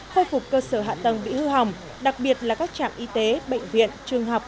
khôi phục cơ sở hạ tầng bị hư hỏng đặc biệt là các trạm y tế bệnh viện trường học